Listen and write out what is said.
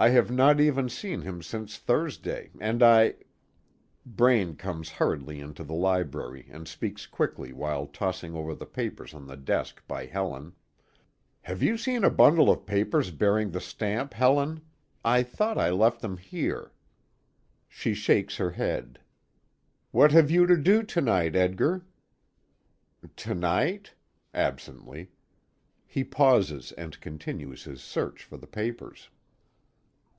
I have not even seen him since Thursday, and I Braine comes hurriedly into the library, and speaks quickly while tossing over the papers on the desk by Helen: "Have you seen a bundle of papers bearing the stamp, Helen? I thought I left them here." She shakes her head. "What have you to do to night, Edgar?" "To night?" absently. He pauses and continues his search for the papers.